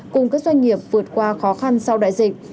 cùng các doanh nghiệp vượt qua khó khăn sau đại dịch